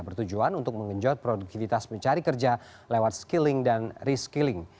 bertujuan untuk mengenjot produktivitas mencari kerja lewat skilling dan reskilling